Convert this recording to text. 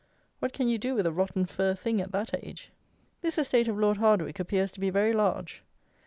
What can you do with a rotten fir thing at that age? This estate of Lord Hardwicke appears to be very large.